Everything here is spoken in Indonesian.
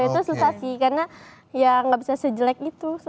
itu susah sih karena ya nggak bisa sejelek gitu